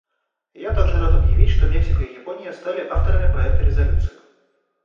Я также рад объявить, что Мексика и Япония стали авторами проекта резолюции.